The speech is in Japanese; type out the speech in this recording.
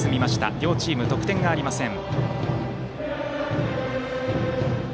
両チーム、得点がありません。